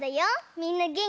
みんなげんき？